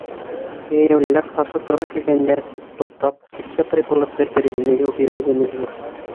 Йәйәүлеләр ҡаршы тура килгәндә, туҡтап, ситкә тайпылып, бер-береһенә юл бирергә мәжбүр.